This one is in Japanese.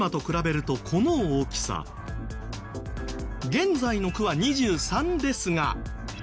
現在の区は２３ですが。